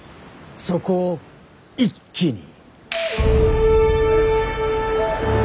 そこを一気に。